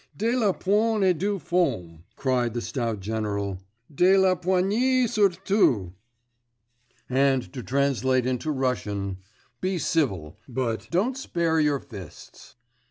'De la poigne et des formes,' cried the stout general, 'de la poigne surtout. And to translate into Russian: be civil but don't spare your fists.